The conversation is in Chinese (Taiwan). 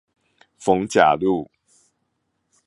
逢甲路